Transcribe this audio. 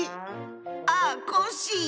ああコッシー。